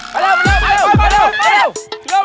ไปเร็ว